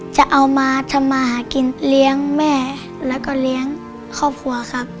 จะเอามาทำมาหากินเลี้ยงแม่แล้วก็เลี้ยงครอบครัวครับ